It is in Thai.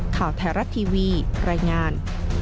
ข่าวไทยรัฐทีวีรายงาน